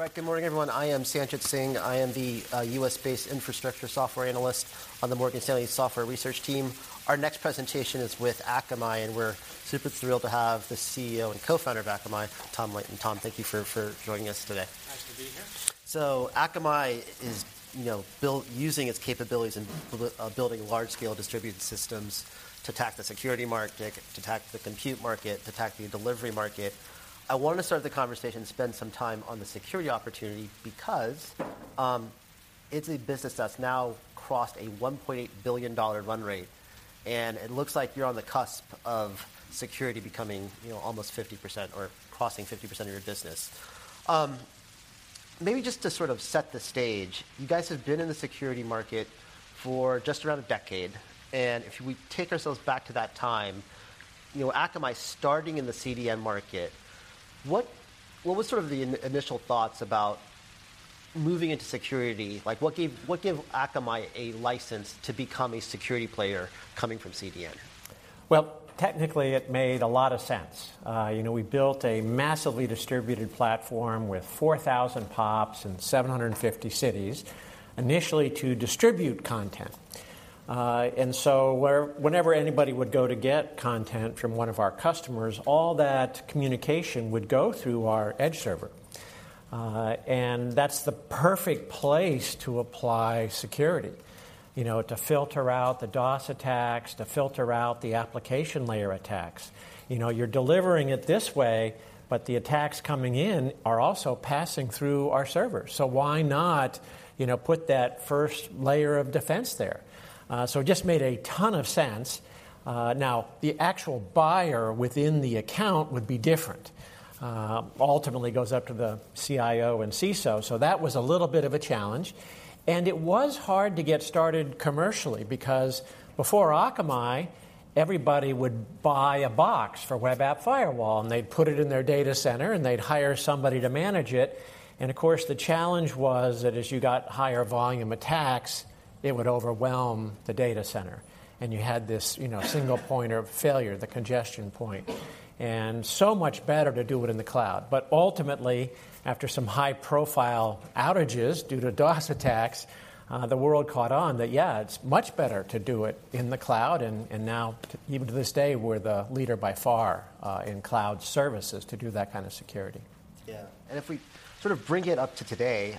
All right. Good morning, everyone. I am Sanjit Singh. I am the U.S.-based infrastructure software analyst on the Morgan Stanley software research team. Our next presentation is with Akamai, and we're super thrilled to have the CEO and co-founder of Akamai, Tom Leighton. Tom, thank you for joining us today. Nice to be here. So Akamai is, you know, built using its capabilities in building large-scale distributed systems to attack the security market, to attack the compute market, to attack the delivery market. I want to start the conversation and spend some time on the security opportunity because it's a business that's now crossed a $1.8 billion run rate, and it looks like you're on the cusp of security becoming, you know, almost 50% or crossing 50% of your business. Maybe just to sort of set the stage, you guys have been in the security market for just around a decade, and if we take ourselves back to that time, you know, Akamai starting in the CDN market, what was sort of the initial thoughts about moving into security? Like, what gave Akamai a license to become a security player coming from CDN? Well, technically, it made a lot of sense. You know, we built a massively distributed platform with 4,000 POPs in 750 cities, initially to distribute content. And so whenever anybody would go to get content from one of our customers, all that communication would go through our edge server. And that's the perfect place to apply security, you know, to filter out the DDoS attacks, to filter out the application layer attacks. You know, you're delivering it this way, but the attacks coming in are also passing through our servers. So why not, you know, put that first layer of defense there? So it just made a ton of sense. Now, the actual buyer within the account would be different. Ultimately, it goes up to the CIO and CISO, so that was a little bit of a challenge. It was hard to get started commercially because before Akamai, everybody would buy a box for web app firewall, and they'd put it in their data center, and they'd hire somebody to manage it. And of course, the challenge was that as you got higher volume attacks, it would overwhelm the data center, and you had this, you know, single point of failure, the congestion point, and so much better to do it in the cloud. But ultimately, after some high-profile outages due to DDoS attacks, the world caught on that, yeah, it's much better to do it in the cloud. And now, even to this day, we're the leader by far in cloud services to do that kind of security. Yeah. And if we sort of bring it up to today,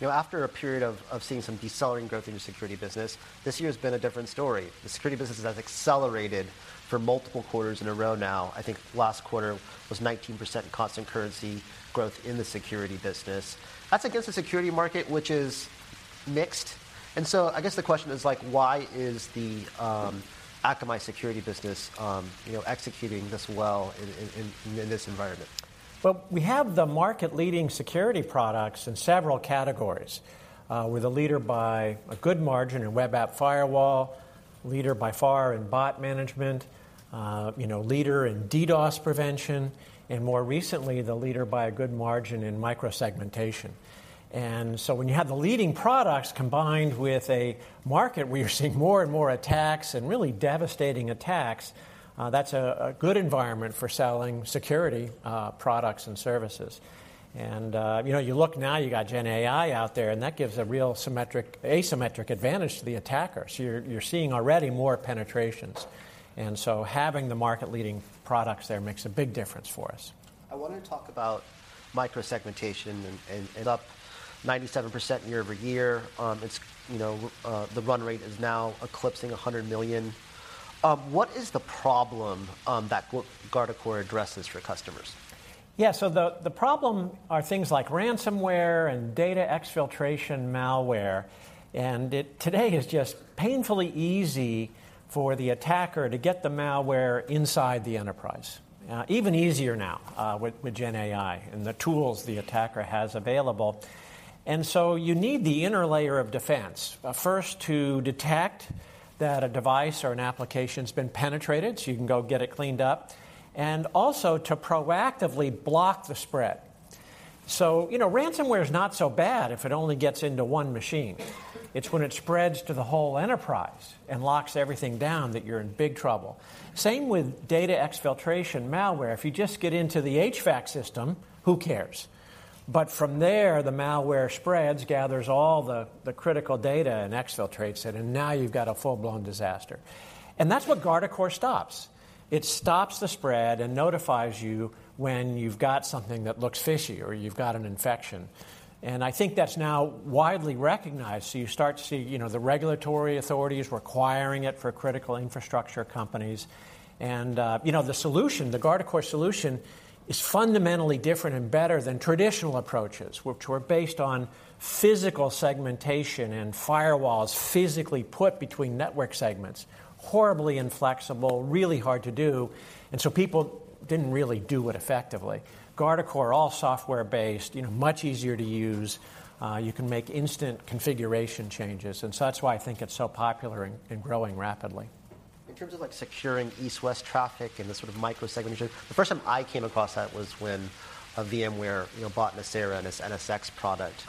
you know, after a period of seeing some decelerating growth in your security business, this year has been a different story. The security business has accelerated for multiple quarters in a row now. I think last quarter was 19% constant currency growth in the security business. That's against the security market, which is mixed, and so I guess the question is like: why is the Akamai security business, you know, executing this well in this environment? Well, we have the market-leading security products in several categories. We're the leader by a good margin in web app firewall, leader by far in bot management, you know, leader in DDoS prevention, and more recently, the leader by a good margin in micro-segmentation. And so when you have the leading products combined with a market where you're seeing more and more attacks and really devastating attacks, that's a good environment for selling security products and services. And, you know, you look now, you got Gen AI out there, and that gives a real asymmetric advantage to the attackers. You're seeing already more penetrations, and so having the market-leading products there makes a big difference for us. I want to talk about micro-segmentation and up 97% year-over-year. It's, you know, the run rate is now eclipsing $100 million. What is the problem that Guardicore addresses for customers? Yeah. So the problem are things like ransomware and data exfiltration malware, and it today is just painfully easy for the attacker to get the malware inside the enterprise. Even easier now, with Gen AI and the tools the attacker has available. And so you need the inner layer of defense, first to detect that a device or an application's been penetrated, so you can go get it cleaned up, and also to proactively block the spread. So, you know, ransomware is not so bad if it only gets into one machine. It's when it spreads to the whole enterprise and locks everything down, that you're in big trouble. Same with data exfiltration malware. If you just get into the HVAC system, who cares? But from there, the malware spreads, gathers all the critical data, and exfiltrates it, and now you've got a full-blown disaster. And that's what Guardicore stops. It stops the spread and notifies you when you've got something that looks fishy or you've got an infection. I think that's now widely recognized. So you start to see, you know, the regulatory authorities requiring it for critical infrastructure companies. You know, the solution, the Guardicore solution, is fundamentally different and better than traditional approaches, which were based on physical segmentation and firewalls physically put between network segments. Horribly inflexible, really hard to do, and so people didn't really do it effectively. Guardicore, all software-based, you know, much easier to use. You can make instant configuration changes, and so that's why I think it's so popular and growing rapidly. In terms of, like, securing east-west traffic and the sort of micro-segmentation, the first time I came across that was when VMware, you know, bought Nicira and its NSX product.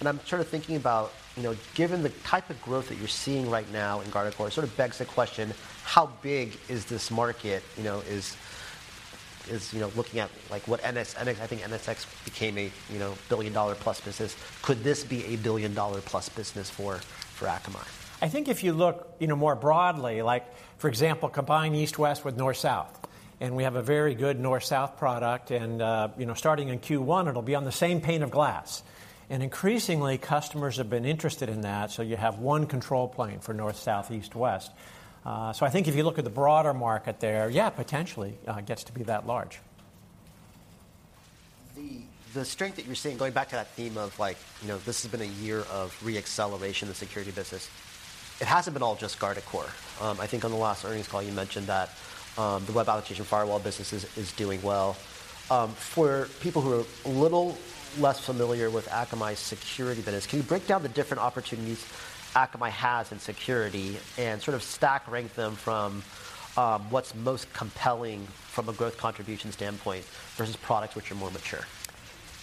And I'm sort of thinking about, you know, given the type of growth that you're seeing right now in Guardicore, it sort of begs the question: how big is this market? You know, is, you know, looking at, like, what NSX became a, you know, billion-dollar plus business. Could this be a billion-dollar plus business for Akamai? I think if you look, you know, more broadly, like, for example, combine east-west with north-south, and we have a very good north-south product. You know, starting in Q1, it'll be on the same pane of glass. Increasingly, customers have been interested in that, so you have one control plane for north, south, east, west. So I think if you look at the broader market there, yeah, potentially, it gets to be that large. The strength that you're seeing, going back to that theme of, like, you know, this has been a year of re-acceleration in the security business. It hasn't been all just Guardicore. I think on the last earnings call, you mentioned that the web application firewall business is doing well. For people who are a little less familiar with Akamai's security business, can you break down the different opportunities Akamai has in security and sort of stack rank them from what's most compelling from a growth contribution standpoint versus products which are more mature?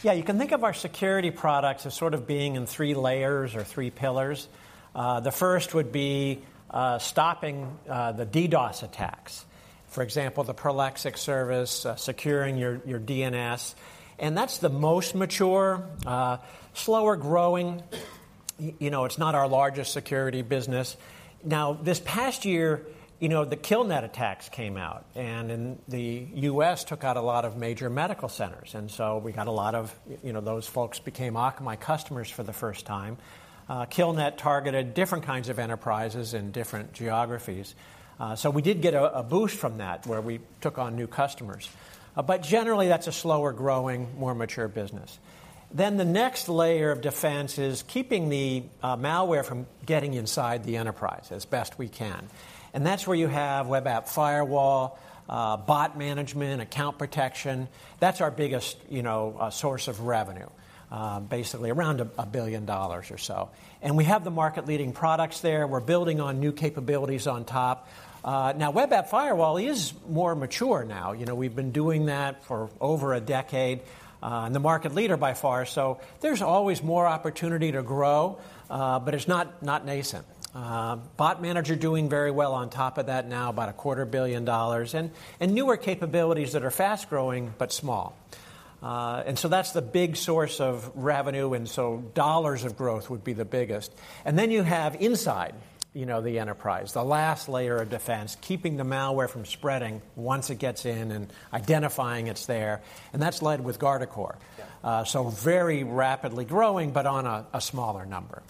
Yeah, you can think of our security products as sort of being in three layers or three pillars. The first would be stopping the DDoS attacks. For example, the Prolexic service, securing your DNS, and that's the most mature, slower growing. You know, it's not our largest security business. Now, this past year, you know, the KillNet attacks came out, and in the U.S., took out a lot of major medical centers, and so we got a lot of... You know, those folks became Akamai customers for the first time. KillNet targeted different kinds of enterprises in different geographies. So we did get a boost from that, where we took on new customers. But generally, that's a slower-growing, more mature business. Then the next layer of defense is keeping the malware from getting inside the enterprise as best we can, and that's where you have web app firewall, bot management, account protection. That's our biggest, you know, source of revenue, basically around $1 billion or so. And we have the market-leading products there. We're building on new capabilities on top. Now, web app firewall is more mature now. You know, we've been doing that for over a decade, and the market leader by far, so there's always more opportunity to grow, but it's not nascent. Bot manager doing very well on top of that now, about $250 million, and newer capabilities that are fast-growing, but small. And so that's the big source of revenue, and so dollars of growth would be the biggest. And then you have inside, you know, the enterprise, the last layer of defense, keeping the malware from spreading once it gets in and identifying it's there, and that's led with Guardicore. Yeah. So very rapidly growing, but on a smaller number.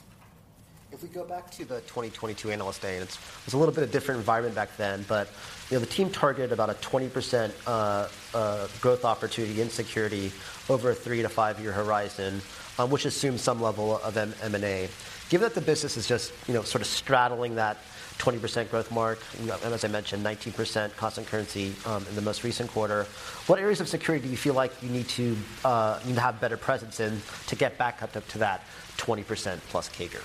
If we go back to the 2022 Analyst Day, and it's, it was a little bit of different environment back then, but, you know, the team targeted about a 20%, growth opportunity in security over a three to five year horizon, which assumes some level of M&A. Given that the business is just, you know, sort of straddling that 20% growth mark, and as I mentioned, 19% constant currency, in the most recent quarter, what areas of security do you feel like you need to, you know, have better presence in to get back up to, to that 20%+ CAGR?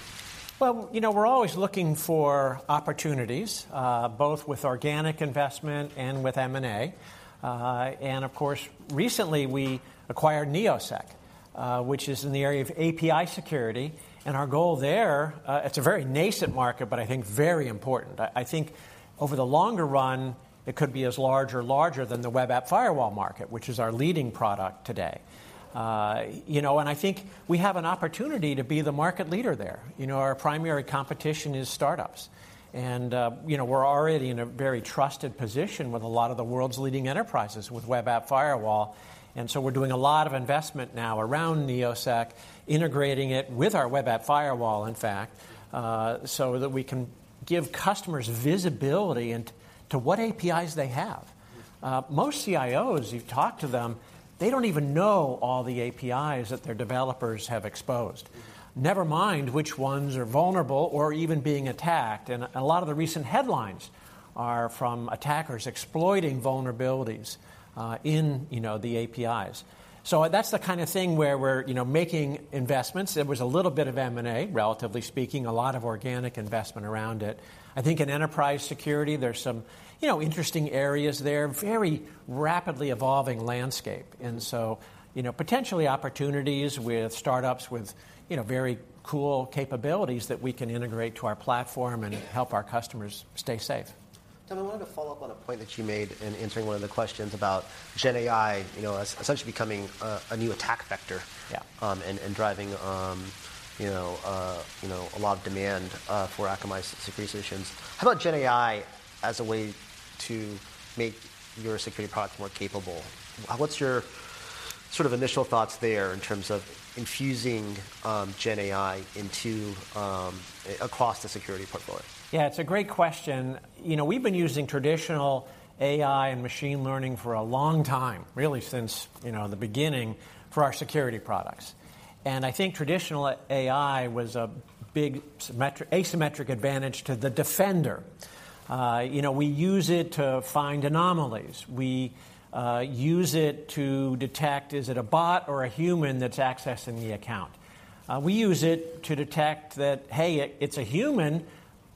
Well, you know, we're always looking for opportunities, both with organic investment and with M&A. And of course, recently we acquired Neosec, which is in the area of API security, and our goal there, it's a very nascent market, but I think very important. I think over the longer run, it could be as large or larger than the web app firewall market, which is our leading product today. You know, and I think we have an opportunity to be the market leader there. You know, our primary competition is startups, and, you know, we're already in a very trusted position with a lot of the world's leading enterprises with web app firewall. And so we're doing a lot of investment now around Neosec, integrating it with our web app firewall, in fact, so that we can give customers visibility into what APIs they have. Yeah. Most CIOs, you talk to them, they don't even know all the APIs that their developers have exposed- Mm-hmm. Never mind which ones are vulnerable or even being attacked, and a lot of the recent headlines are from attackers exploiting vulnerabilities in, you know, the APIs. So that's the kind of thing where we're, you know, making investments. There was a little bit of M&A, relatively speaking, a lot of organic investment around it. I think in enterprise security, there's some, you know, interesting areas there, very rapidly evolving landscape, and so, you know, potentially opportunities with startups with, you know, very cool capabilities that we can integrate to our platform and help our customers stay safe. Tom, I wanted to follow up on a point that you made in answering one of the questions about GenAI, you know, as essentially becoming a new attack vector- Yeah. driving, you know, you know, a lot of demand for Akamai's security solutions. How about GenAI as a way to make your security product more capable? What's your sort of initial thoughts there in terms of infusing GenAI into across the security portfolio? Yeah, it's a great question. You know, we've been using traditional AI and machine learning for a long time, really since, you know, the beginning, for our security products. And I think traditional AI was a big asymmetric advantage to the defender. You know, we use it to find anomalies. We use it to detect, is it a bot or a human that's accessing the account? We use it to detect that, hey, it, it's a human,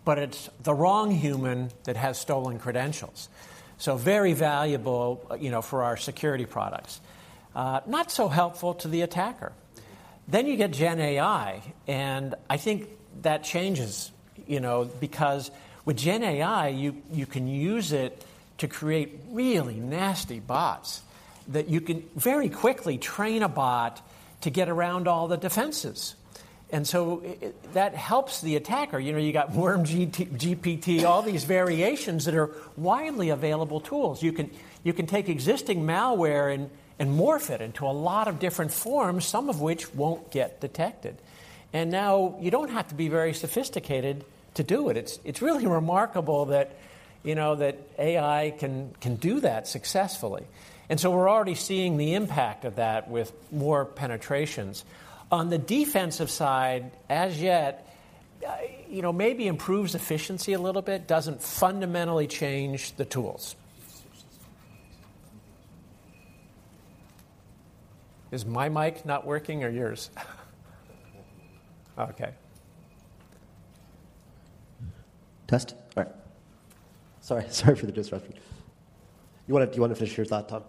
but it's the wrong human that has stolen credentials. So very valuable, you know, for our security products. Not so helpful to the attacker. Then you get Gen AI, and I think that changes, you know, because with Gen AI, you, you can use it to create really nasty bots, that you can very quickly train a bot to get around all the defenses. And so that helps the attacker. You know, you got WormGPT, GPT, all these variations that are widely available tools. You can take existing malware and morph it into a lot of different forms, some of which won't get detected. And now you don't have to be very sophisticated to do it. It's really remarkable that, you know, that AI can do that successfully. And so we're already seeing the impact of that with more penetrations. On the defensive side, as yet, you know, maybe improves efficiency a little bit, doesn't fundamentally change the tools. Is my mic not working or yours? Okay. Test. All right. Sorry, sorry for the disruption. You wanna, do you wanna finish your thought, Tom?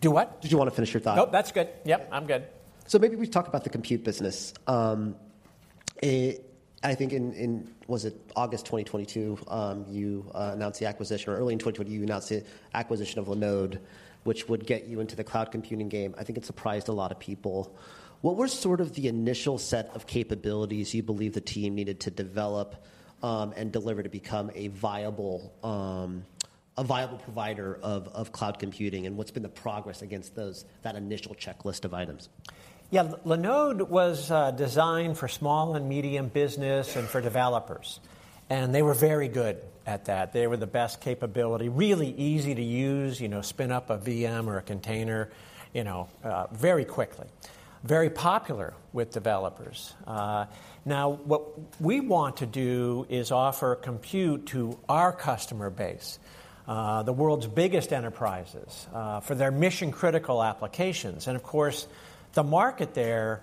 Do what? Did you wanna finish your thought? Nope, that's good. Yep, I'm good. So maybe we've talked about the compute business. I think, was it August 2022, you announced the acquisition, or early in 2022, you announced the acquisition of Linode, which would get you into the cloud computing game. I think it surprised a lot of people. What were sort of the initial set of capabilities you believe the team needed to develop and deliver to become a viable provider of cloud computing, and what's been the progress against that initial checklist of items? Yeah, Linode was designed for small and medium business and for developers, and they were very good at that. They were the best capability, really easy to use, you know, spin up a VM or a container, you know, very quickly. Very popular with developers. Now, what we want to do is offer compute to our customer base, the world's biggest enterprises, for their mission-critical applications. And of course, the market there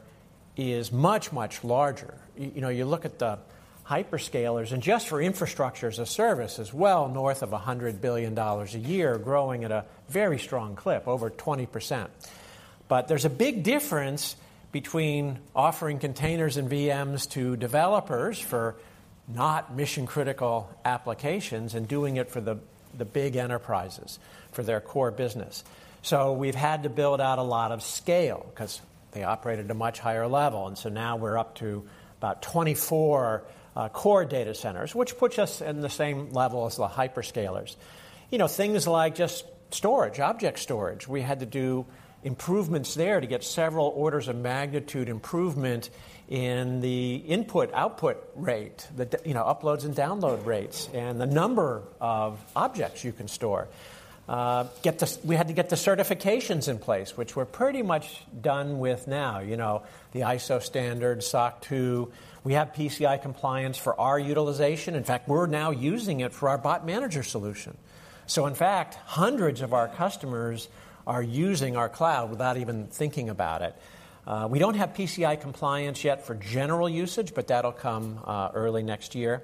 is much, much larger. You know, you look at the hyperscalers, and just for infrastructure as a service is well north of $100 billion a year, growing at a very strong clip, over 20%. But there's a big difference between offering containers and VMs to developers for not mission-critical applications and doing it for the big enterprises, for their core business. So we've had to build out a lot of scale 'cause they operate at a much higher level. And so now we're up to about 24 core data centers, which puts us in the same level as the hyperscalers. You know, things like just storage, object storage. We had to do improvements there to get several orders of magnitude improvement in the input-output rate, you know, uploads and download rates and the number of objects you can store. We had to get the certifications in place, which we're pretty much done with now. You know, the ISO standard, SOC 2, we have PCI compliance for our utilization. In fact, we're now using it for our Bot Manager solution. So in fact, hundreds of our customers are using our cloud without even thinking about it. We don't have PCI compliance yet for general usage, but that'll come early next year.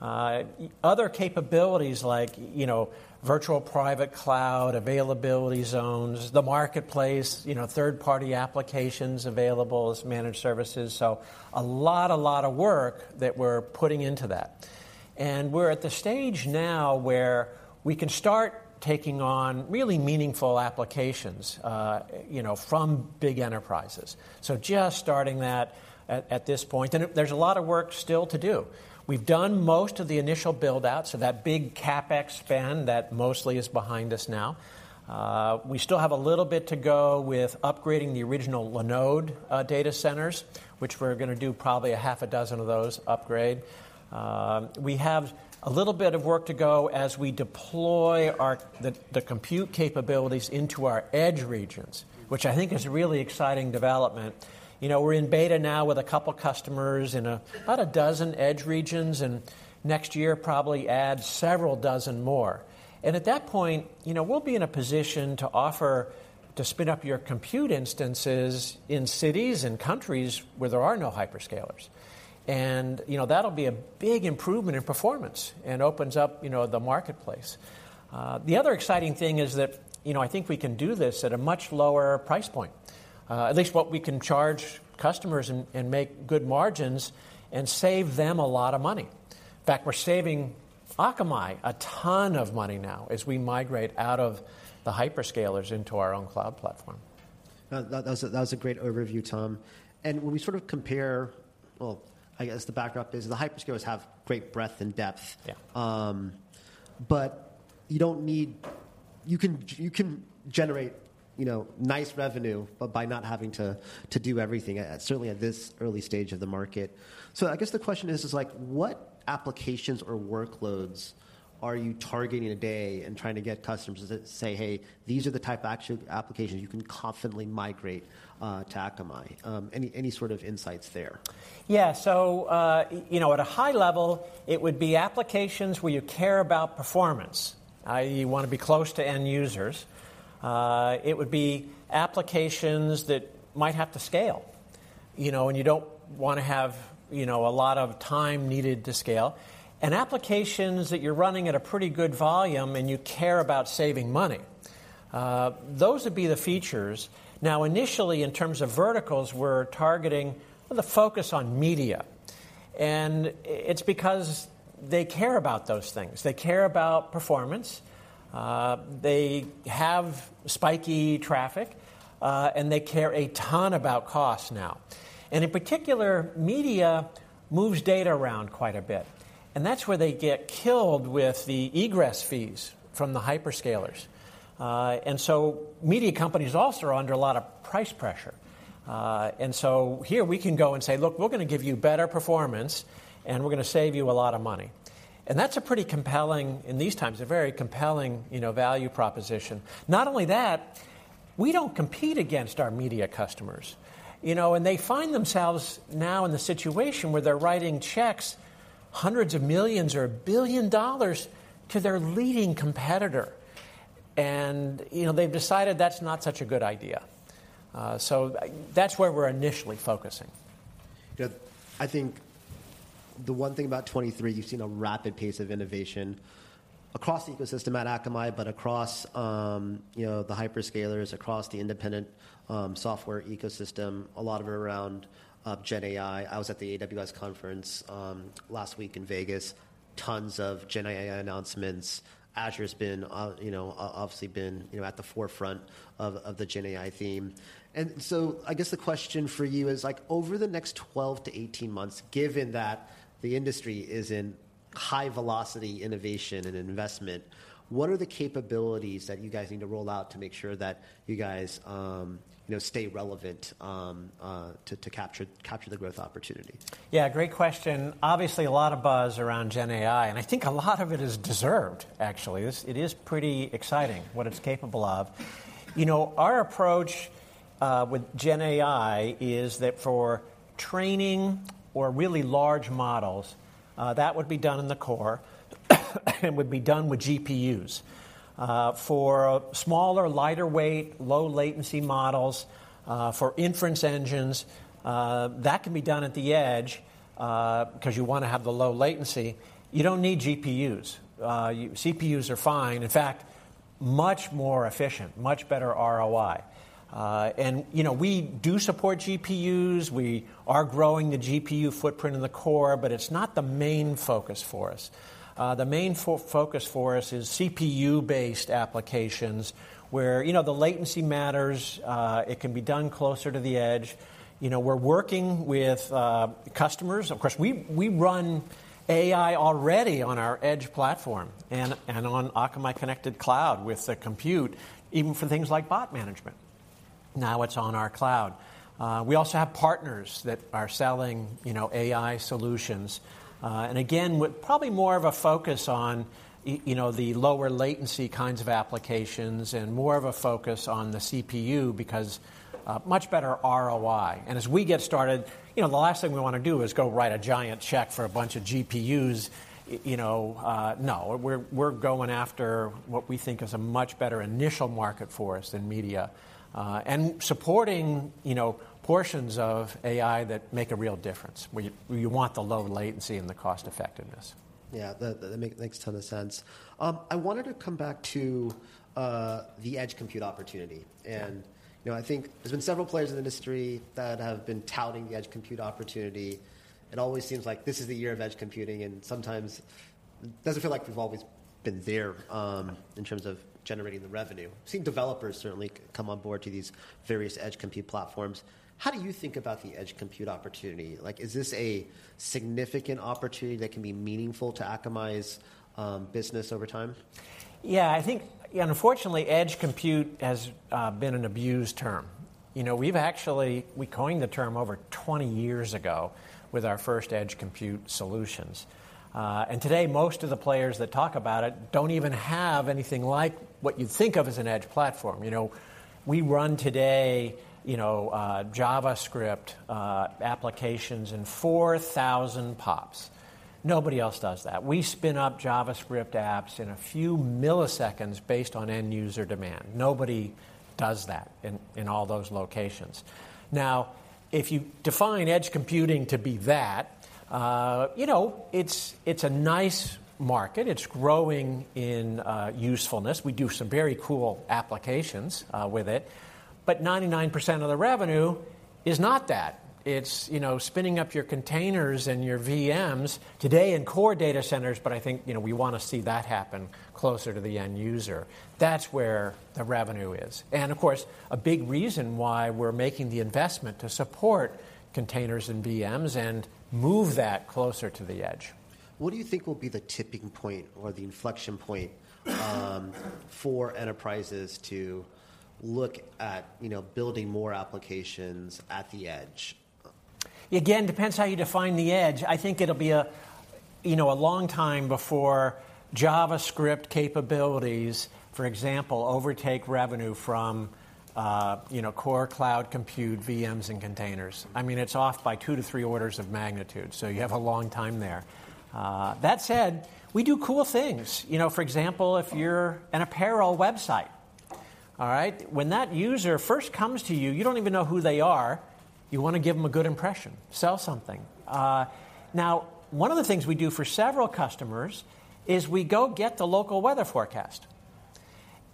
Other capabilities like, you know, virtual private cloud, availability zones, the marketplace, you know, third-party applications available as managed services. So a lot, a lot of work that we're putting into that. And we're at the stage now where we can start taking on really meaningful applications, you know, from big enterprises. So just starting that at this point, and there's a lot of work still to do. We've done most of the initial build-out, so that big CapEx spend that mostly is behind us now. We still have a little bit to go with upgrading the original Linode data centers, which we're gonna do probably six of those upgrade. We have a little bit of work to go as we deploy our... The compute capabilities into our edge regions, which I think is a really exciting development. You know, we're in beta now with a couple customers in about a dozen edge regions, and next year, probably add several dozen more. And at that point, you know, we'll be in a position to offer to spin up your compute instances in cities and countries where there are no hyperscalers. And, you know, that'll be a big improvement in performance and opens up, you know, the marketplace. The other exciting thing is that, you know, I think we can do this at a much lower price point. At least what we can charge customers and, and make good margins and save them a lot of money. In fact, we're saving Akamai a ton of money now as we migrate out of the hyperscalers into our own cloud platform. That was a great overview, Tom. When we sort of compare... Well, I guess the backdrop is the hyperscalers have great breadth and depth. Yeah. But you don't need. You can, you can generate, you know, nice revenue, but by not having to, to do everything, certainly at this early stage of the market. So I guess the question is, is like, what applications or workloads are you targeting today and trying to get customers to say, "Hey, these are the type of action, applications you can confidently migrate to Akamai?" Any, any sort of insights there? Yeah. So, you know, at a high level, it would be applications where you care about performance, i.e., you wanna be close to end users. It would be applications that might have to scale, you know, and you don't wanna have, you know, a lot of time needed to scale, and applications that you're running at a pretty good volume, and you care about saving money... those would be the features. Now, initially, in terms of verticals, we're targeting with a focus on media, and it's because they care about those things. They care about performance, they have spiky traffic, and they care a ton about cost now. And in particular, media moves data around quite a bit, and that's where they get killed with the egress fees from the hyperscalers. And so media companies also are under a lot of price pressure. And so here we can go and say, "Look, we're gonna give you better performance, and we're gonna save you a lot of money." And that's a pretty compelling, in these times, a very compelling, you know, value proposition. Not only that, we don't compete against our media customers, you know, and they find themselves now in the situation where they're writing checks, $hundreds of millions or $1 billion to their leading competitor. And, you know, they've decided that's not such a good idea. So that's where we're initially focusing. Yeah. I think the one thing about 2023, you've seen a rapid pace of innovation across the ecosystem at Akamai, but across, you know, the hyperscalers, across the independent, software ecosystem, a lot of it around, GenAI. I was at the AWS conference, last week in Vegas, tons of GenAI announcements. Azure's been, you know, obviously been, you know, at the forefront of, the GenAI theme. And so I guess the question for you is, like, over the next 12-18 months, given that the industry is in high velocity innovation and investment, what are the capabilities that you guys need to roll out to make sure that you guys, you know, stay relevant, to capture the growth opportunity? Yeah, great question. Obviously, a lot of buzz around GenAI, and I think a lot of it is deserved, actually. It is pretty exciting what it's capable of. You know, our approach with GenAI is that for training or really large models, that would be done in the core, and would be done with GPUs. For smaller, lighter weight, low latency models, for inference engines, that can be done at the edge, 'cause you wanna have the low latency. You don't need GPUs. CPUs are fine, in fact, much more efficient, much better ROI. And, you know, we do support GPUs. We are growing the GPU footprint in the core, but it's not the main focus for us. The main focus for us is CPU-based applications, where, you know, the latency matters, it can be done closer to the edge. You know, we're working with customers. Of course, we run AI already on our edge platform and on Akamai Connected Cloud with the compute, even for things like bot management. Now, it's on our cloud. We also have partners that are selling, you know, AI solutions, and again, with probably more of a focus on you know, the lower latency kinds of applications and more of a focus on the CPU because, much better ROI. And as we get started, you know, the last thing we wanna do is go write a giant check for a bunch of GPUs, you know, no. We're going after what we think is a much better initial market for us than media, and supporting, you know, portions of AI that make a real difference, where you want the low latency and the cost effectiveness. Yeah, that makes ton of sense. I wanted to come back to the edge compute opportunity. Yeah. You know, I think there's been several players in the industry that have been touting the edge compute opportunity. It always seems like this is the year of edge computing, and sometimes it doesn't feel like we've always been there in terms of generating the revenue. I've seen developers certainly come on board to these various edge compute platforms. How do you think about the edge compute opportunity? Like, is this a significant opportunity that can be meaningful to Akamai's business over time? Yeah, I think. Unfortunately, edge compute has been an abused term. You know, we've actually, we coined the term over 20 years ago with our first edge compute solutions. And today, most of the players that talk about it don't even have anything like what you'd think of as an edge platform. You know, we run today, you know, JavaScript applications in 4,000 POPs. Nobody else does that. We spin up JavaScript apps in a few milliseconds based on end-user demand. Nobody does that in all those locations. Now, if you define edge computing to be that, you know, it's a nice market. It's growing in usefulness. We do some very cool applications with it, but 99% of the revenue is not that. It's, you know, spinning up your containers and your VMs today in core data centers, but I think, you know, we wanna see that happen closer to the end user. That's where the revenue is, and of course, a big reason why we're making the investment to support containers and VMs and move that closer to the edge. What do you think will be the tipping point or the inflection point, for enterprises to look at, you know, building more applications at the edge? Again, depends how you define the edge. I think it'll be a, you know, a long time before JavaScript capabilities, for example, overtake revenue from, you know, core cloud compute, VMs, and containers. I mean, it's off by two to three orders of magnitude, so you have a long time there. That said, we do cool things. You know, for example, if you're an apparel website, all right? When that user first comes to you, you don't even know who they are. You want to give them a good impression, sell something. Now, one of the things we do for several customers is we go get the local weather forecast,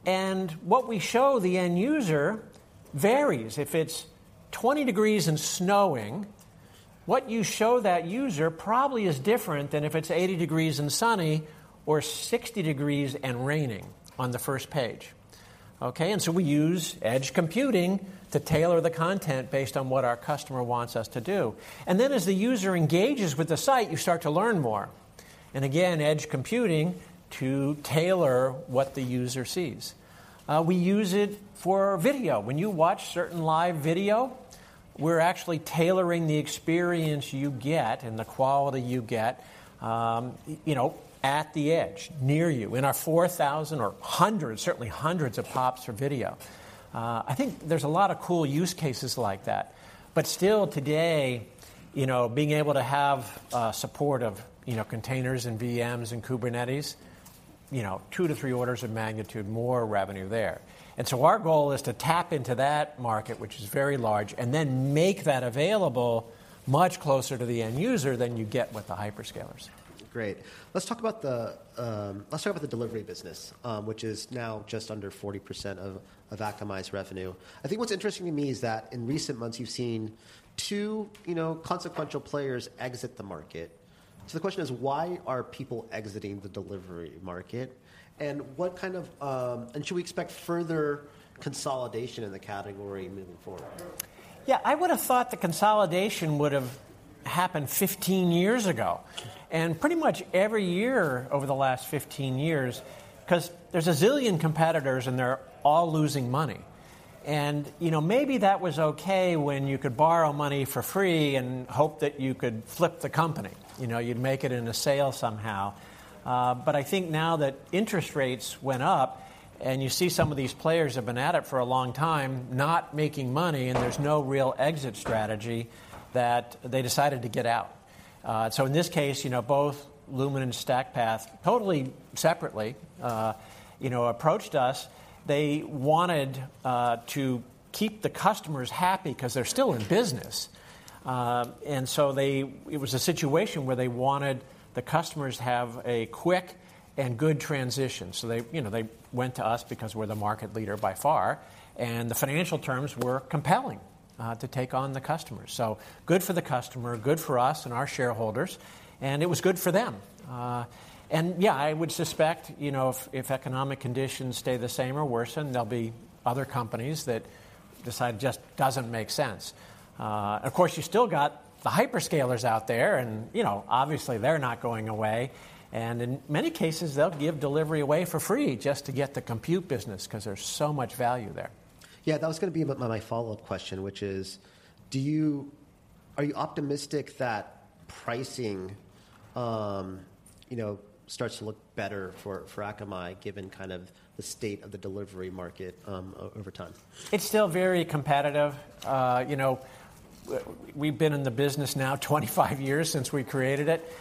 and what we show the end user varies. If it's 20 degrees and snowing, what you show that user probably is different than if it's 80 degrees and sunny or 60 degrees and raining on the first page, okay? And so we use edge computing to tailor the content based on what our customer wants us to do. And then, as the user engages with the site, you start to learn more, and again, edge computing to tailor what the user sees. We use it for video. When you watch certain live video, we're actually tailoring the experience you get and the quality you get, you know, at the edge, near you, in our 4,000 or hundreds, certainly hundreds of POPs for video. I think there's a lot of cool use cases like that, but still today, you know, being able to have support of, you know, containers and VMs and Kubernetes, you know, two to three orders of magnitude more revenue there. And so our goal is to tap into that market, which is very large, and then make that available much closer to the end user than you get with the hyperscalers. Great. Let's talk about the delivery business, which is now just under 40% of Akamai's revenue. I think what's interesting to me is that in recent months, you've seen two, you know, consequential players exit the market. So the question is, why are people exiting the delivery market? And should we expect further consolidation in the category moving forward? Yeah, I would have thought the consolidation would have happened 15 years ago, and pretty much every year over the last 15 years, 'cause there's a zillion competitors, and they're all losing money. And, you know, maybe that was okay when you could borrow money for free and hope that you could flip the company. You know, you'd make it in a sale somehow. But I think now that interest rates went up and you see some of these players have been at it for a long time, not making money, and there's no real exit strategy, that they decided to get out. So in this case, you know, both Lumen and StackPath, totally separately, you know, approached us. They wanted to keep the customers happy 'cause they're still in business. It was a situation where they wanted the customers to have a quick and good transition. So they, you know, they went to us because we're the market leader by far, and the financial terms were compelling to take on the customers. So good for the customer, good for us and our shareholders, and it was good for them. And, yeah, I would suspect, you know, if economic conditions stay the same or worsen, there'll be other companies that decide it just doesn't make sense. Of course, you still got the hyperscalers out there, and, you know, obviously they're not going away. And in many cases, they'll give delivery away for free just to get the compute business 'cause there's so much value there. Yeah, that was gonna be my follow-up question, which is: are you optimistic that pricing, you know, starts to look better for Akamai, given kind of the state of the delivery market, over time? It's still very competitive. You know, we've been in the business now 25 years since we created it.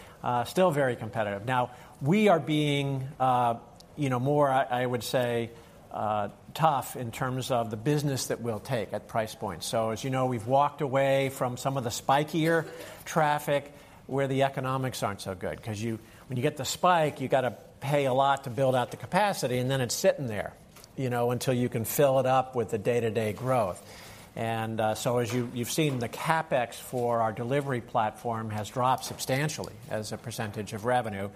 Still very competitive. Now, we are being, you know, more. I would say tough in terms of the business that we'll take at price point. So as you know, we've walked away from some of the spikier traffic where the economics aren't so good, 'cause when you get the spike, you gotta pay a lot to build out the capacity, and then it's sitting there, you know, until you can fill it up with the day-to-day growth. And so as you've seen, the CapEx for our delivery platform has dropped substantially as a percentage of revenue.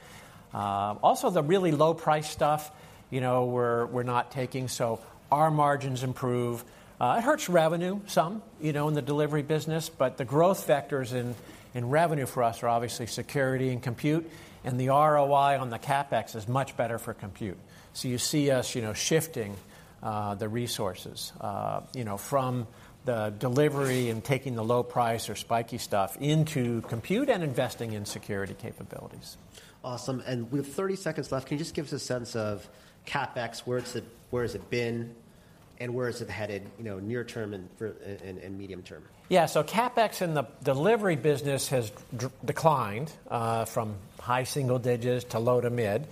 Also, the really low-price stuff, you know, we're not taking, so our margins improve. It hurts revenue some, you know, in the delivery business, but the growth vectors in revenue for us are obviously security and compute, and the ROI on the CapEx is much better for compute. So you see us, you know, shifting the resources, you know, from the delivery and taking the low price or spiky stuff into compute and investing in security capabilities. Awesome. With 30 seconds left, can you just give us a sense of CapEx, where is it, where has it been, and where is it headed, you know, near term and forward and medium term? Yeah. So CapEx in the delivery business has declined from high single digits to low to mid,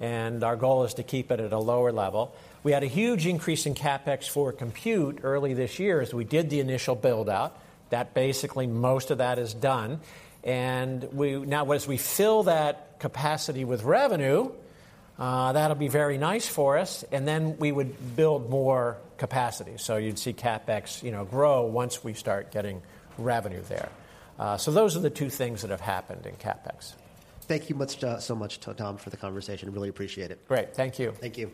and our goal is to keep it at a lower level. We had a huge increase in CapEx for compute early this year as we did the initial build-out. That basically, most of that is done. And we... Now, as we fill that capacity with revenue, that'll be very nice for us, and then we would build more capacity. So you'd see CapEx, you know, grow once we start getting revenue there. So those are the two things that have happened in CapEx. Thank you much, so much, Tom, for the conversation. Really appreciate it. Great. Thank you. Thank you.